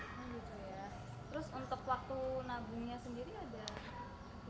untuk waktu nabungnya sendiri